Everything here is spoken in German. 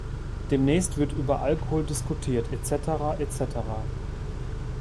Demnächst wird über Alkohol diskutiert etc, etc.